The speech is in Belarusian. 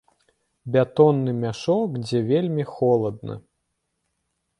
Бетонны мяшок, дзе вельмі холадна.